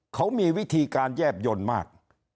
เขามีวิธีการแยบยนต์มาก